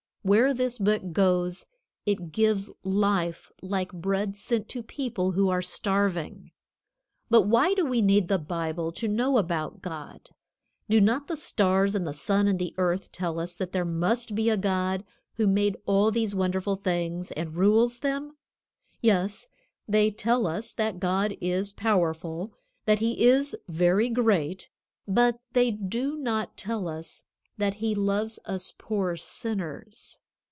Where this Book goes it gives life like bread sent to people who are starving. But why do we need the Bible to know about God? Do not the stars and the sun and the earth tell us that there must be a God who made all these wonderful things and rules them? Yes, they tell us that God is powerful, that He is very great, but they do not tell us that he loves us poor sinners.